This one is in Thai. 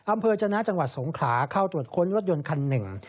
อำเภอจนะจังหวัดสงขลาเข้าตรวจค้นรถยนต์คันหนึ่ง